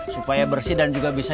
supaya bersih dan juga bisa